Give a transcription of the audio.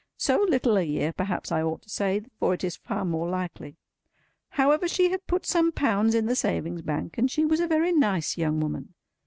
So little a year, perhaps I ought to say, for it is far more likely. However, she had put some pounds in the Savings' Bank, and she was a very nice young woman.